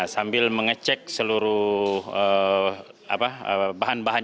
sambil mengecek seluruh bahan bahan